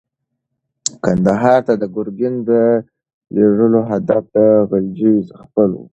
کندهار ته د ګورګین د لېږلو هدف د غلجیو ځپل ول.